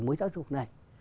mối giáo dục này